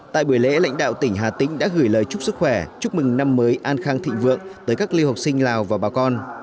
tại buổi lễ lãnh đạo tỉnh hà tĩnh đã gửi lời chúc sức khỏe chúc mừng năm mới an khang thịnh vượng tới các lưu học sinh lào và bà con